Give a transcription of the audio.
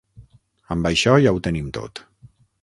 Amb això ja ho tenim tot.